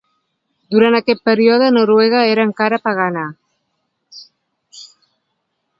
Durant aquest període, Noruega era encara pagana.